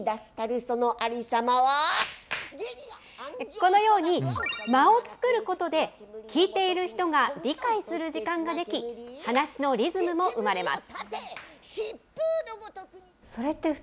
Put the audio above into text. このように間を作ることで、聞いている人が理解する時間が出来、話のリズムも生まれます。